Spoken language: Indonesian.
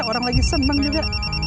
orang lagi seneng juga